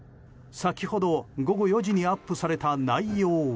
先ほど午後４時にアップされた内容は。